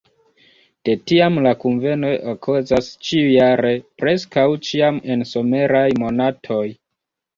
De tiam la kunvenoj okazas ĉiujare, preskaŭ ĉiam en someraj monatoj.